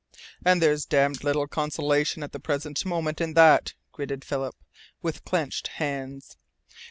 "And there's damned little consolation at the present moment in that," gritted Philip, with clenched hands.